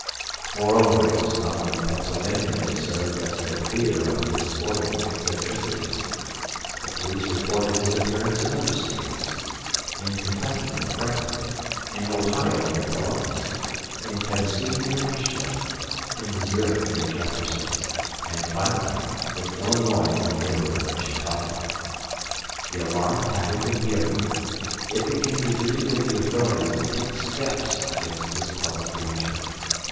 Moreover, it was not only Pennsylvania that served as the theater of his sportive eccentricities. The police reported his appearance in other states; in Kentucky near Frankfort; in Ohio near Columbus; in Tennessee near Nashville; in Missouri near Jefferson; and finally in Illinois in the neighborhood of Chicago. The alarm having been given, it became the duty of the authorities to take steps against this public danger.